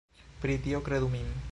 Pri tio kredu min.